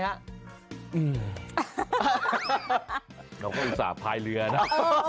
เราก็อุตส่าห์พายเรือนะ